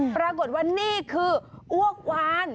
ปรากฏว่านี่คืออ้วกวาน